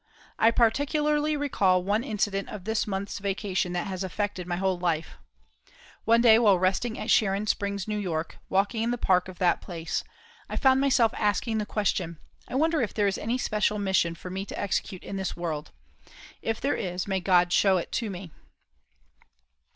I particularly recall one incident of this month's vacation that has affected my whole life. One day while resting at Sharon Springs, New York, walking in the Park of that place, I found myself asking the question: "I wonder if there is any special mission for me to execute in this world? If there is, may God show it to me!"